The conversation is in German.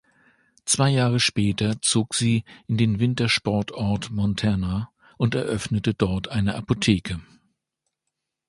Zwei Jahre später zog sie in den Wintersportort Montana und eröffnete dort eine Apotheke.